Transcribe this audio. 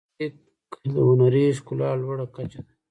موزیک د هنري ښکلا لوړه کچه ده.